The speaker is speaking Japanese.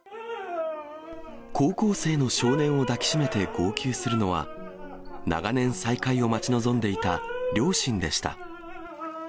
高校生の少年を抱き締めて号泣するのは、長年再会を待ち望んでいた両親でした。